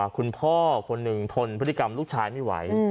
คุณพ่อคนหนึ่งทนพฤติกรรมลูกชายไม่ไหว